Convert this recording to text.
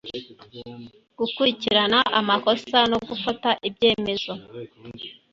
gukurikirana amakosa no gufata ibyemezo